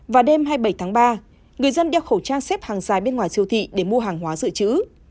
và đêm hai mươi bảy tháng ba người dân đeo khẩu trang xếp hàng dài bên ngoài siêu thị để mua hàng hóa dự trữ